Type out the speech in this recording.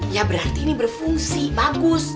ya berarti ini berfungsi bagus